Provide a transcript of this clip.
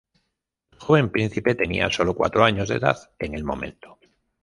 El joven príncipe tenía sólo cuatro años de edad en el momento.